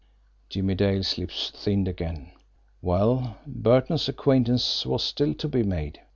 Jimmie Dale's lips thinned again. Well, Burton's acquaintance was still to be made!